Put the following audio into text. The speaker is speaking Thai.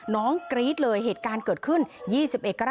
น้องกรี๊ดเลยเหตุการณ์เกิดขึ้น๒๑กรกฎาคมค่ะ